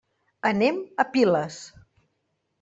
Anem a Piles.